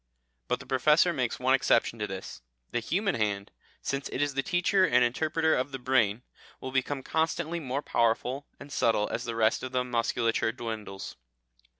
But the Professor makes one exception to this. "The human hand, since it is the teacher and interpreter of the brain, will become constantly more powerful and subtle as the rest of the musculature dwindles."